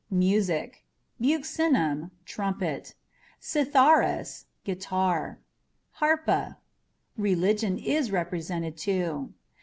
Music: Buccinum ("trumpet"), Citharas ("guitar"), Harpa. Religion is represented, too.